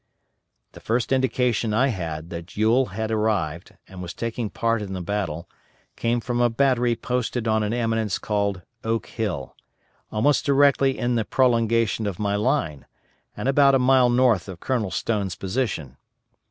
The first indication I had that Ewell had arrived, and was taking part in the battle, came from a battery posted on an eminence called Oak Hill, almost directly in the prolongation of my line, and about a mile north of Colonel Stone's position.